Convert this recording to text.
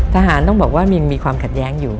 ทหารต้องบอกว่ายังมีความขัดแย้งอยู่